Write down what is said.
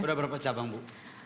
sudah berapa cabang bu